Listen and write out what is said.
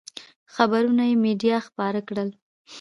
خبرونه یې مېډیا خپاره کړل.